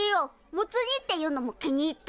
モツ煮っていうのも気に入った。